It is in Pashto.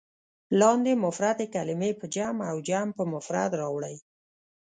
لاندې مفردې کلمې په جمع او جمع په مفرد راوړئ.